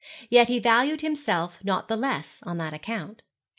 Yet he valued himself not the less on that account.